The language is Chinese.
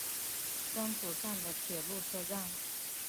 真土站的铁路车站。